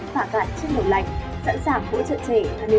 phả cạn chất lượng lạnh sẵn sàng hỗ trợ trẻ hai mươi bốn trên bảy